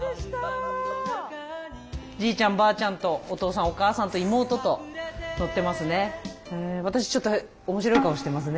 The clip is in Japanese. じいちゃんばあちゃんとお父さんお母さんと妹と撮ってますね。